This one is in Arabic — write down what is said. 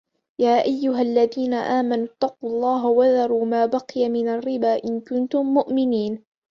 يا أيها الذين آمنوا اتقوا الله وذروا ما بقي من الربا إن كنتم مؤمنين